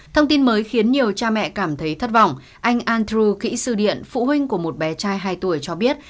thông tin mới khiến nhiều cha mẹ cảm thấy thất vọng anh andrew kisudian phụ huynh của một bé trai hai tuổi cho biết